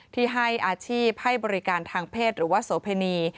ที่ให้อาชีพให้บริการทางเพศหรือว่าโสเพณี